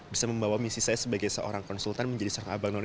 bisa membawa misi saya sebagai seorang konsultan menjadi sarang abang none